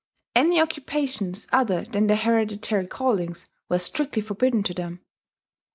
Any occupations other than their hereditary callings were strictly forbidden to them.